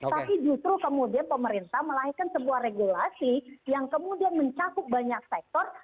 tapi justru kemudian pemerintah melahirkan sebuah regulasi yang kemudian mencakup banyak sektor